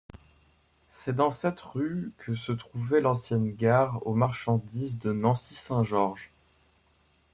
C'est dans cette rue que se trouvait l'ancienne gare aux marchandises de Nancy-Saint-Georges.